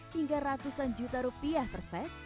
hingga ratusan juta rupiah perset